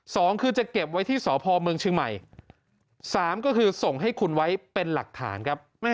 สองคือจะเก็บไว้ที่สพเมืองเชียงใหม่สามก็คือส่งให้คุณไว้เป็นหลักฐานครับ